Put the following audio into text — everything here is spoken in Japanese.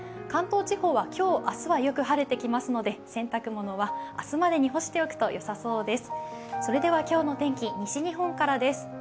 関東地方は今日、明日はよく晴れてきますので、洗濯物は明日までに干しておくとよさそうです。